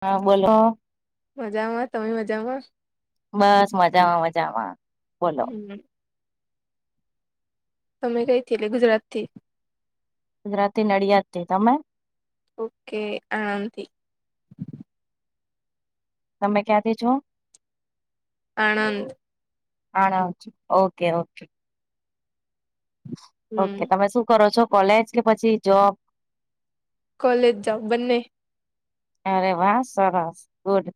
હા, બોલો. મજામાં તમે મજામાં બસ મજામાં મજામાં બોલો હમ તમે કઈ થી એ ગુજરાત થી ગુજરાતી નડ્યાદ થી તમે? ઓકે આનાન તી. તમે ક્યાંથી છો? આણંદ. આણં જ ઓકે ઓકે. હમ ઓકે તમે શું કરો છો કોલેજ કે પછી જોબ? કોલેજ જોબ બંને. અરે વાહ! સરસ, ગુડ.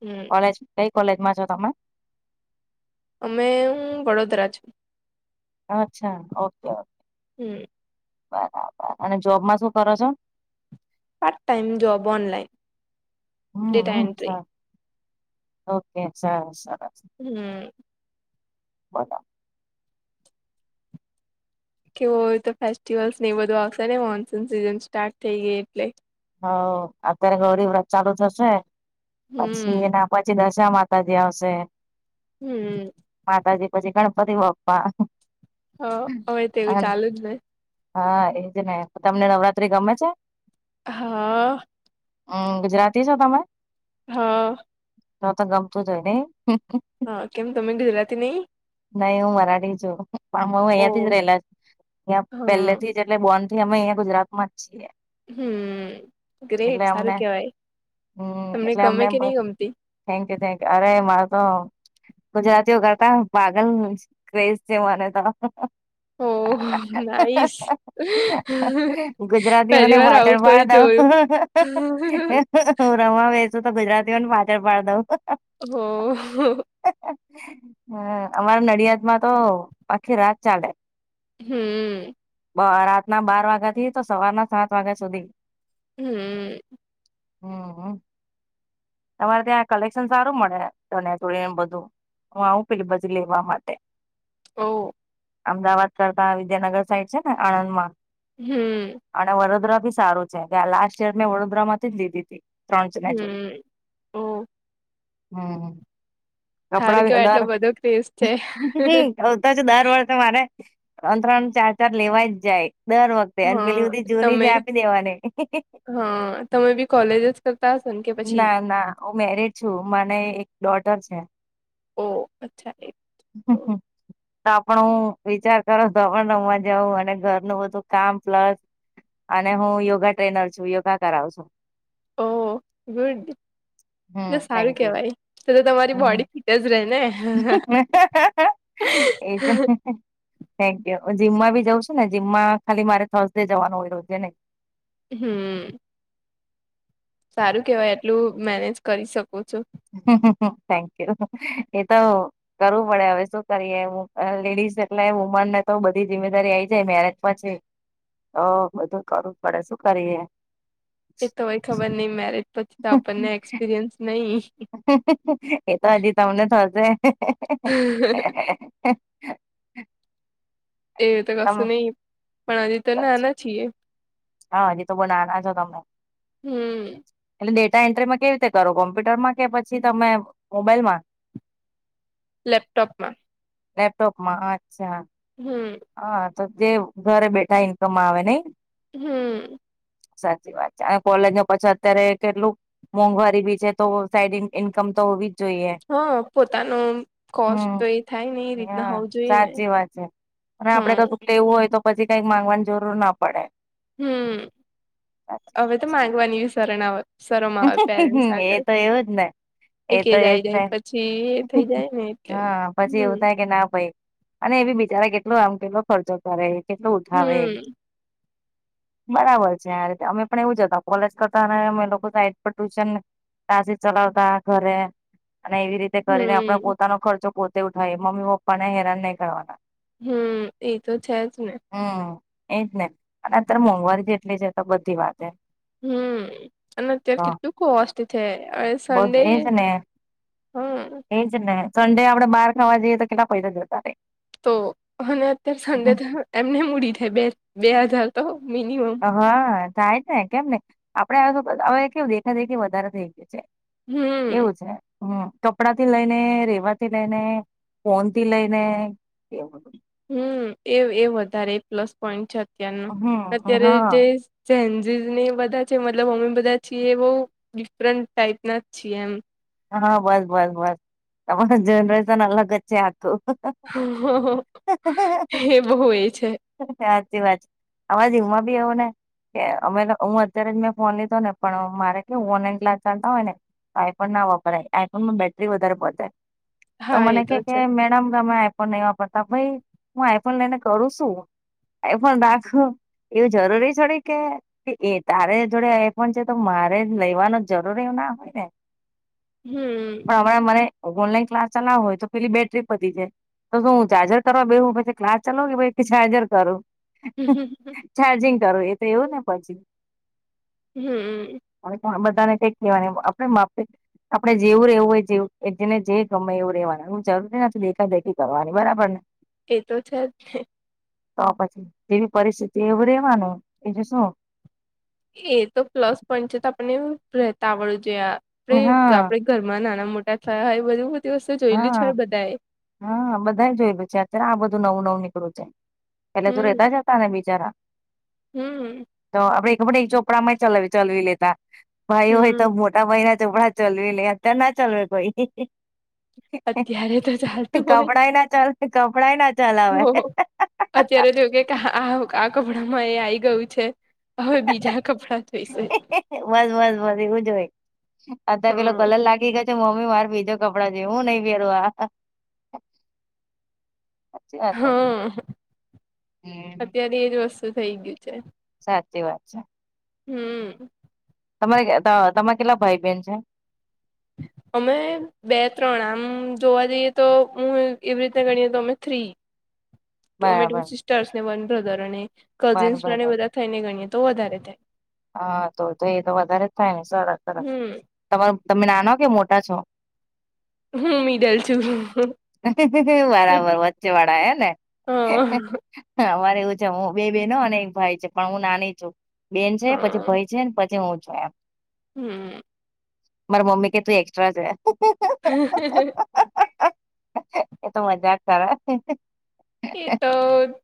હમ્મ. કોલેજ કંઈ કોલેજમાં છો તમે? અમે હું વડોદરા છું. અચ્છા. ઓકે-ઓક. હમ્મ. બરાબર. અને જોબમાં શું કરો છો? Part time job online. હમ ડેટા હમ એન્ટ્રી. સરસ. ઓકે, સારું-સારું. હમ્મ. બરાબ કેવું હવે તો ફેસ્ટિવલ્સ ને એ બધું આવશે ને મોનસૂન સિઝન સ્ટાર્ટ થઈ ગઈ એટલે. હોવ. અત્યારે ગૌરી વ્રત ચાલુ થશે, પછી હમ એના પછી દશામાં [unintelligible] આવશે. હમ્મ. માતાજી, પછી ગણપતિ બાપ્પા. હા. હવે તો એવું અને ચાલુ જ નહીં! હા એજ ને. તમને નવરાત્રી ગમે છે? હા. અહ ગુજરાતી છો તમે? હા. તો-તો ગમતું જ હોય નહીં? હા કેમ તમેં ગુજરાતી નહીં? નહીં હું મરાઠી છું. આમા હું ઓ અહિયાંથી જ રહેલા છ, અહિયાં હા પહેલે થી જ એટલે બોર્ન થી અમે અહિયાં ગુજરાત માં જ છીએ. હમ્મ. એટલે ગ્રેટ, અમને સારું કહેવાય. હમ તમને એટલે ગમે અમને કે નહીં ગમતી? Thank you, thank you. અરે મારે તો ગુજરાતીઓ કરતા પાગલ ક્રેઝ છે મને તો. Oh, nice. પહેલી ગુજરાતીઓને વાર પાછળ આવું કોઈ પાડ દઉં જોયું. [inaudible] હું રમવા બેસું તો ગુજરાતીઓને પાછળ પાડ દઉં. ઓહ! હા. અમારા નડિયાદ માં તો આખી રાત ચાલે. હમ્મ. બ રાતના બાર વાગ્યા થી તો સવારના સાત વાગ્યા સુધી. હમ્મ. હમ્મ-હમ્મ. તમારે ત્યાં કલેક્શન સારું મળે ચણિયા ચોળીને બધું હું આવું. એટલે પછી લેવા માટે. ઓવ. અમદાવાદ કરતા વિદ્યાનગર સાઈડ છે ને આણંદમાં. હમ્મ. અને વડોદરા બી સારું છે, ગ લાસ્ટ યર મેં વડોદરામાંથી જ લીધી તી. ત્રણ જણા જોડે. હમ ઓ હમ્મ કપડા એલાર પેસ્ટ છે. તો દર વર્ષે મારે ત્રણ ત્રણ ચાર ચાર લેવા જ જાય દર વખતે. ને હા પેલી બધી જૂની તમે જ આપી દેવાની. હા તમે બી કોલેજ જ સતા વાર સંખ્યા ના ના હું મેરીડ છું મને એક ડોટર છે. ઓ અચ્છા એ. હમ્મ હમ્મ. તો આપણ હું વિચાર કરો તો આપ રમવા જઉં અને ઘરનું બધું કામ પ્લસ અને હું યોગા ટ્રેનર છું યોગા કરાવ છું. ઓ ગુડ જો હમ સારું થેન્ક યુ કેવાય તો તમારી બોડી તે જ રહે ને [inaudible] એજ ને થેન્કયુ જીમમાં ભી જઉ છું ને જીમમાં ખાલી મારે થર્સડે જવાનું હોય રોજે નઈ. હમ્મ. સારું કેવાય એટલું મેનેજ કરી શકો છો. થેંકયુ એ તો. કરવું પડે હવે શું કરીએ લેડીઝ એટલે વુમન ને તો બધી જીમ્મેદારી આ આવી જાય મેરેજ પછી હ બધું કરવું પડે શું કરીએ. એ તો હોય ખબર નહિ મેરેજ પછી તો આપણને એક્સપિરિયન્સ નહી. એ તો હજી તમને થશે એ તો કસ તમ નહી પણ હજી તો ના નાના છીએ. હા હજી તો બહુ નાના છો તમે. હમ એટલે ડેટા એન્ટ્રીમાં કેવી રીતે કરો કોમ્પ્યુટર માં કે પછી તમે મોબાઈલ માં [inaudible] લેપટોપમાં લેપટોપમાં અચ્છા. હમ્મ. હા તો જે ઘરે બેઠા ઈન્કમ આવે નહિ. હમ્મ. સાચી વાત છે અને કોલેજમાં પછી અત્યારે કેટલું મોંઘવારી બી છે તો સાઈડ ઇન્કમ તો હોવી જોઈએ હા પોતાનો કોસ્ટ હમ્મ તો એ થાય ને એ રીતના હા હોવું જોઈએ ને સાચી વાત છે. અને આપડે હા કશુંક કે લેવું હોય તો પછી કઈક માંગવાની જરૂર ના પડે. હમ્મ સાચી. હવે તો માંગવાની સરણાવત એ તો એવું જ ને એ એક તો એજ આઈ જાય નને પછી એ થઈ જાય ને એટલે હા પછી હમ એવું થાય કે ના ભાઈ અને એ બી બિચારા કેટલો આમ કેટલો ખર્ચો કરે કેટલો ઉઠાવે એ હમ બરાબર છે આ રીતે અમે પણ એવું જતા કોલેજ કરતા અમે લોકો સાઈડ પર ટુશન તાસી ચલાવતા ઘરે અને એવી રીતે તે કરીને આપણે હમ પોતાનો ખર્ચો પોતે ઉઠાવએ મમ્મી પપ્પા ને હેરાન નહીં કરવાના. હમ્મ એ તો છે જ ને. હમ્મ એજ ને અને અત્યારે મોંઘવારી કેટલી છે તો બધી વાતે હમ્મ અને અત્યારે કેટલુંક કોસ્ટ છે. બહુ સન્ડે એજ ને હમ એજ ને સંડે આપડે બહાર ખાવા જઈએ તો કેટલા પૈસા જતા રે તો અને અત્યારે સંડે એમને મૂડી થાય બે બે હજાર તો મિનિમમ- હા થાય જ ને કેમ ને આપડે હવે કેવ દેખા દેખી વધારે થઈ ગઈ છે. હમ એવું છે. હમ કપડા થી લઈ ને રેવા થી લઈને ફોન થી લઈને એવું. હમ એ એ વધારે પ્લસ પોઈન્ટ છે અત્યારનો હમ અત્યારે હા જે ચન્જીસને બધા છે મતલબ અમે બધા છીએ એ બહુ ડિફરન્ટ ટાાઈપના જ છીએ એમ. હા બસ બસ બસ તમારું જનરેશન અલગ જ છે આખું. હ હ હ એવો હોય છે. વાચ વાત અવાજ હવમાં બી આવો ને કે અમે હું અત્યારે જ મેં ફોન લીધો ને પણ મારે કેું ઓનલાઈન ક્લાસ ચાલતા હોય ને આઈફોન ના વાપરાય આઈફોનમાં બેટરી વધારે પ થાય તો હા એ મને કે કે છે મેડમ તમે ફોન નહી વાપરતા ભાઈ હું આઈફોન લઈને કરું છું આઈફોન રાખુ એવું જરૂરી છોડી કે કે એ તારે જોડે એ પણ છે તો મારે લેવાનો જરૂર એવું ના હોય ને. હમ. પણ હરે મને ઓનલાઈન ક્લાસ ચલાવો હોય તો પેલી બેટરી પટી જાય. તો શું હું ચાર્જર કરવા બે પછી ક્લાસ ચલો કે પછ ચાર્જર કરુ. હમ હમં હંમ ચાર્જિંગ કરવું એ તો એવું ને પછી. હમમ. અને બધાને ટેક લેવા આપડ માપ. આપડે જેવું રહેવું હોય જેવ જેને જે ગમે એવું રહેેવાનું હ જરૂરી નથીું દેખા દેખી કરવાની બરાબર ને એ તો છે જ ને. તો પછી જેવી પરિસ્થિતિ એવું રેવાનું એજ શું. એ તો પ્લસ પોઈન્ટ છે તો આપને રહેતા આવડવું જોઈએ આપણે હા આપડે ઘરમાં નાના મોટા થયા હોય બધી બધી વસ્તુ જોયેલી છે હા હોય બધાએ હા બધા જોય બ છે અત્યારે આ બધું નવું નવું નીકળું જાય પેલે તો હમ રેતા જ હતા. બિચારા હમ તો આપડેડ એક ચોપડા માં ચ ચલવી લેતા. ભાઈ હોય તો હમ મોટા ભાઈ ના ચોપડા ચલવી લે અત્યારે ના ચાલવે કોઈ. અત્યારે તો ચાલતું હોય કપડાય ના ચ કપડાય ના ચલાવે હવે. હો અત્યારે તો કે આ કપડાંમાં એ આઈ ગયું છે. હવે બીજા કપડા જોઈશે બસ બસ બસ એવું જ હોય. અદા બલો કોલ હમ લાગી ગયો. મમ્મી મારે બીજો કપડા જે હું નહી પેરુ આ. સાચચી વાત. હમ અત્યારે એજ વસ્તુ થઇ ગયું છે. સાચી વાત છે. હમ. તમારે તમારે કેટલા ભાઈ બહેન છે. અમે. બે ત્રણ આમ જોવા જઈએ તો હું એવી રીતે ગણીએ તો અમે થ્રી. [inaudible] અમે ટુ સિસ્ટર્સ ને વન બ્રધર અને કઝિન્સ બરાબર બધા થઈને ગણીએ તો વધારે થાય. હા તો તો એ તો વધારે જ થાય ને સરસ સરસ હમ તમાર તમે નાનો કે મોટા છો. હું મિડલ છું વું બરાબર વચ્ચે વાળા એને. હા. અરે એવું છે હું બે બેનો અને એક ભાઈ છે પણ હું નાની છું બેન છે. પછી ભાઈ છે ને પછી હું એમ. હમ હમ. મારા મમ્મી કે તું એક્સ્ટ્રા છે. હ. એતો મજા જ કરે. એ તો?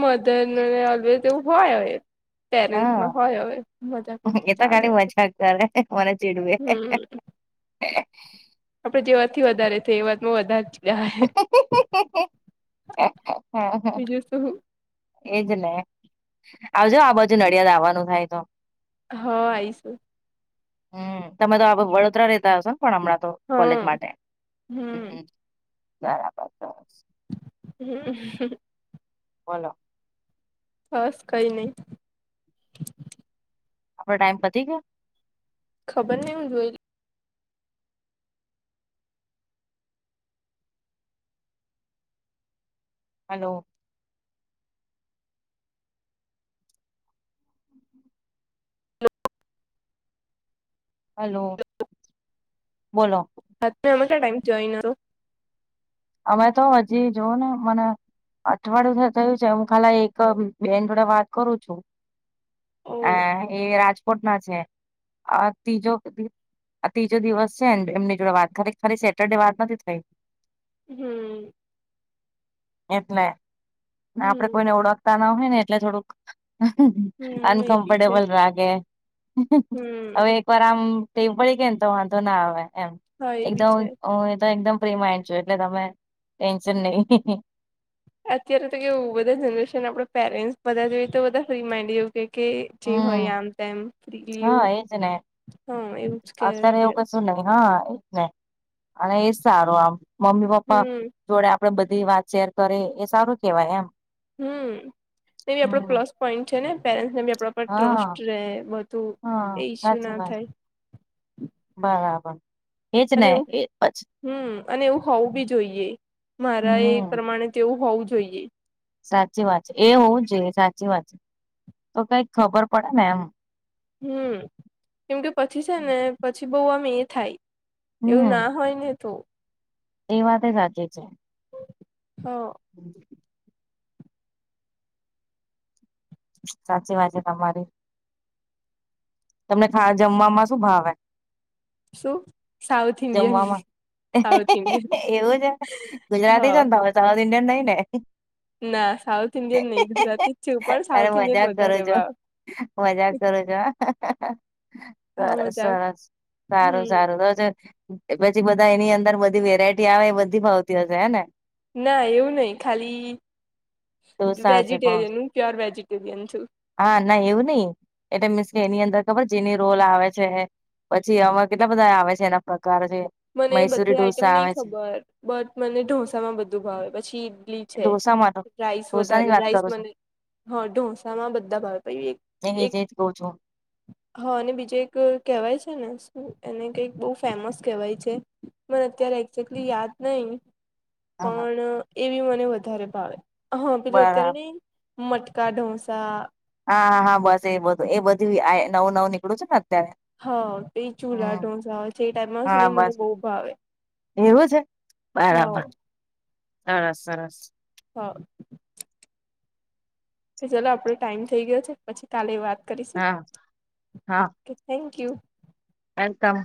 મદન અલવેદ એવું હોય હોવે. પેરેન્ટસમાં હા હોય હવે મજાક એ મસ્તી તો ચાલે ખાલી છે મજાક કરે હમ. હ. આપડે જે વાત થી વધારે છે એ વાતમાં વધારે જ બીજું શું. એજ ને આવજો આ બાજુ નડિયાદાવાનું થાય તો હ આવીશું. હમ તમે તો આ વડોદરા રેતા હશો ને પણ હમણાં તો કોલેજ હા માટે હ હમ બરાબર. હ. બોલો બસ કઈ નહી. આપડો ટાઈમ પતી ગયો. ખબર નહી હું જોય હલો. હેલો બોલો. હા તમે અમે ક્યા ટાઈમ જોઈન અમે તો હજી જોવ ને મને. અઠવાડિયું થયું છે હું ખાલી એક બેન જોડે વાત કરું છું. હ ઓ એ રાજકોટમાં છે ત્રીજો આ ત્રીજો દિવસ છે ને એમની જોડે વાત ખરી ખરી સેટરડે વાત નથી થઈ હમ્. એટલે આપડે હમ કોઈને ઓળખતા ના હોય ને એટલે થોડુંક. હમ એ બી છે અનકમફર્ટેબલ રાાગે હવે. હમ પર આમ ટમ પડી કેને તો વાંધો ના આવે એમ હા એ બી એકદમ છે તો એકમ પ્રેમા. એટલે તમે ટેન્શન નહી. અત્યારે તો કેું બધા જનરેશન આપે પેરેન્ટ્સ બધા જો તો બધા ફ્રી માઇન્ડ. કે કે જે હોય હમ આમ તોમ એવું. હા એજ ને હા એવું જ કે અત્યારે એવું કશું નહી હા એ જ નને અને એજ સારો આમ મમ્મી પપ્પા. હમ જોડે આપડે બધી વાત શેર કરી એ સારું કેવાય એમ. હમ એ બી આપડો હમ પ્લસ પોઈન્ટ છે ને પેરેન્ટસને બી આપ. પણ ટ્રસ્ટ હા રહે બધું હા એ ઈસ્યુ સાચી ના વાત થાય. બરાબર. એજ અને ને એવું એ પછી હમ અને એવું હોવું બી જોઈએ મારા એ હમ પ્રમાણે. તેવું હોવું જોઈએ. સાચી વાત છે એ હોવું જોઈએ સાચી વાત છે તો કઈક ખબર પડે ને એમ. હમ કેમ કે પછી છે ને પછી બહ આમ એ થાય. એવું હમ ના હોય ને તોં. એ વાત સાચી છે. હા. હમ. સાચી વાજે તમારી. તમને ખા જમવામાં શું ભાવે. શું? South Indian. જમવામાં સાઉથ ઇન્ડિયન એવું છે? ગુજરાતી હા છોન તમે તો સાઉથ ઇન્ડિયન નહીં ને. ના સાઉથ ઇન્ડિયન નહી ગુજરાતી જ છેું પણ સાઉથ ઇન્ડિયન વધારે વાવ. મજા કરો છ. હા સરસ મજાક સરસ સારું હમ સારું તોજ. પછી બધા એની અંદર બધી વેરાયટી આવે એ બધી ભાવતી હશે હે ને. ના એવું નહીં. ખાલી ઢોસા હશે વેજીિટેરિયન હું પ્યોર વેજીિટેરિયન છું.. હા, ના એવું નહીં એટલે મિસ એની અંદર ખબર જેની રોલ આવે છે, પછી આવા કેટલા બધા આવે છે એના પ્રકાર છે. મને મૈસુરી બધી આઈટમ ઢોસા આવે નહીં છે ખબર, બટ મને ઢોસા માં બધું ભાવે. પછી ઈડલી છે. ઢોસા માટે રાઈસ ઢોસા ની વધારે વાત રાઈસ કરું છું મને હા ઢોસામાં બધા ભાવે. પહીં એજ એક-એક એજ કઉ છું હા અને બીજું એક કહેવાય છે ને, શું એને કંઈક બહુ ફેમસ કહેવાય છે. મને હા અત્યારે એક્ઝેક્ટલી યાદ નહીં. હા પણ એ બી મને વધારે ભાવે. હા પેલું અત્યારે બરાબર નહીં મટકા ઢોસા હા, હા, હા. બસ એ બધું, એ બધુંય આય નવું-નવું નીકળું છે ના. હા. તે ચૂલા ઢોસા હોય છે, એ ટાઈપમાં હા સુની બસ મને બહુ ભાવે. એવું છે? હ બરાબર. સરસ-સરસ. હા. કે ચલો આપડો ટાઈમ થઈ ગયો છે પછી કાલે વાત. કરીશું હા, હા. Okay thank you. વેલકમ.